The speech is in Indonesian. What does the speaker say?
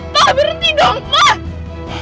pak berhenti dong pak